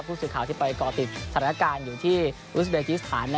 ทุกสื่อข่าวที่ไปกรติธนการศึกษีที่อุซเบกริษฐาน